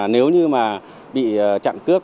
nếu như mà bị chặn cướp